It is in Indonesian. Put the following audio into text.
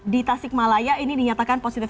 di tasikmalaya ini dinyatakan positif